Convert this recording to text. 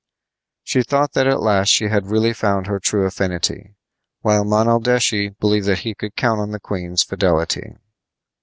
She thought that at last she had really found her true affinity, while Monaldeschi believed that he could count on the queen's fidelity.